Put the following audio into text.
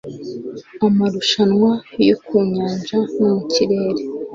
Amarushanwa yo mu nyanja no mu kirere